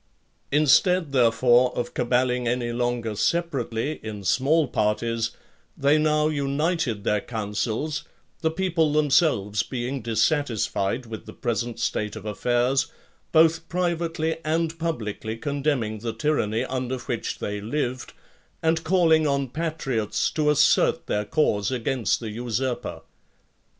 Instead, therefore, of caballing any longer separately, in small parties, they now united their counsels; the people themselves being dissatisfied with the present state of affairs, both privately and publicly (49) condemning the tyranny under which they lived, and calling on patriots to assert their cause against the usurper.